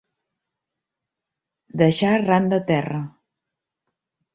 Deixar ran de terra.